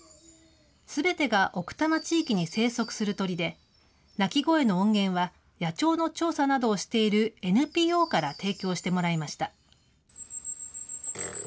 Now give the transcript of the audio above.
すべてが奥多摩地域に生息する鳥で、鳴き声の音源は野鳥の調査などをしているＮＰＯから提供してもらいました。